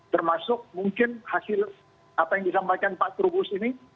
termasuk mungkin hasil apa yang disampaikan pak trubus ini